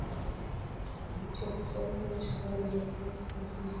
آیا چا تصور کاوه چې خاوره به د آس د خلاصون وسیله شي؟